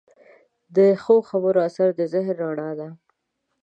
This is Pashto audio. د ښو خبرو اثر د ذهن رڼا ده.